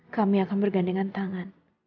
kami akan bergandengan tangan